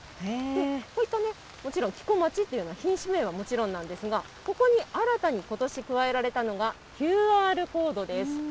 こういった、もちろん黄小町という品種名はもちろんなんですが、ここに新たにことし加えられたのが、ＱＲコードです。